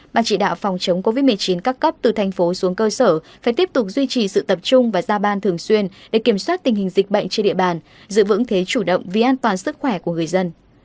ban chỉ đạo phòng chống covid một mươi chín các cấp từ thành phố xuống cơ sở phải tiếp tục duy trì sự tập trung và ra ban thường xuyên để kiểm soát tình hình dịch bệnh trên địa bàn giữ vững thế chủ động vì an toàn sức khỏe của người dân